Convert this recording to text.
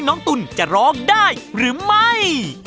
ตุ๋นจะร้องได้หรือไม่